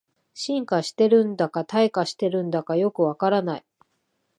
進化してるんだか退化してるんだかよくわからない